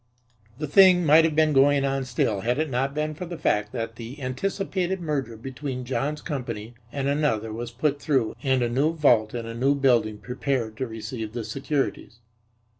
The thing might have been going on still had it not been for the fact that the anticipated merger between John's company and another was put through and a new vault in a new building prepared to receive the securities.